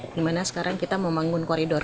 dimana sekarang kita membangun koridor